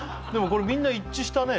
これみんな一致したね